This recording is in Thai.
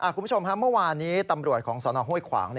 คุณผู้ชมฮะเมื่อวานนี้ตำรวจของสนห้วยขวาง